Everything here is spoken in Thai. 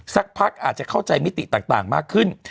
สักพักอาจจะเข้าใจมิติต่างมากขึ้น